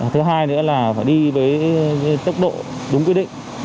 thứ hai nữa là phải đi với tốc độ đúng quy định